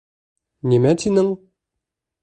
Нимә тинең?